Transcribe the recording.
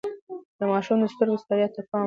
د ماشوم د سترګو ستړيا ته پام وکړئ.